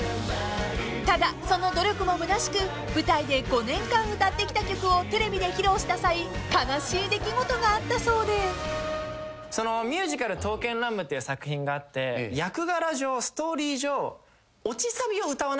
［ただその努力もむなしく舞台で５年間歌ってきた曲をテレビで披露した際悲しい出来事があったそうで］っていう作品があって役柄上ストーリー上。